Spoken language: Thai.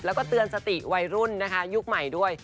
แล้วก็เตือนสติวัยรุ่นนะคะยุคใหม่ด้วย